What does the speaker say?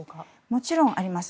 もちろんあります。